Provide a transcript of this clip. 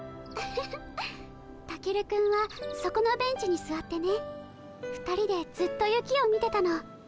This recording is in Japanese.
ウフフタケルくんはそこのベンチにすわってね２人でずっと雪を見てたの。